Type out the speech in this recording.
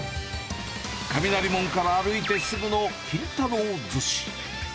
雷門から歩いてすぐの、金田楼寿司。